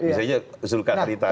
misalnya zulkarn haritano